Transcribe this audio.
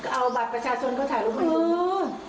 เอาบัตรประชาชนก็ถ่ายลูกใหม่อยู่